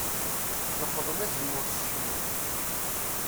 Leqqḍen azemmur s ccna.